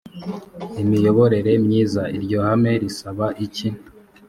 imiyoborere myiza iryo hame risaba iki